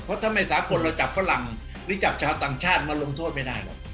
เพราะถ้าไม่สากลเราจับฝรั่งหรือจับชาวต่างชาติมาลงโทษไม่ได้หรอก